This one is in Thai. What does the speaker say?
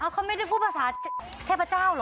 เขาไม่ได้พูดภาษาเทพเจ้าเหรอ